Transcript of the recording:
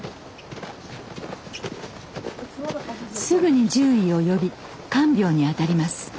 すぐに獣医を呼び看病に当たります。